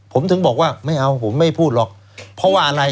ผมถึงบอกว่าไม่เอาผมไม่พูดหรอกเพราะว่าอะไร